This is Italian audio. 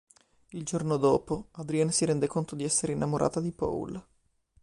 Il giorno dopo, Adrienne si rende conto di essere innamorata di Paul.